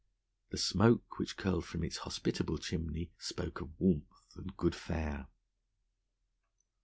The smoke which curled from its hospitable chimney spoke of warmth and good fare.